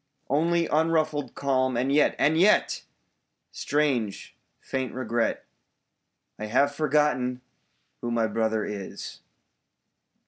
Only unruffled calm; and yet — and yet — Strange, faint regret — I have forgotten who my brother is!